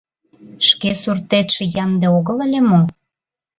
Шке суртетше ямде огыл ыле мо?